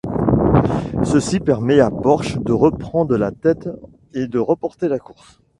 Ceci permet à Porsche de reprendre la tête et de remporter la course.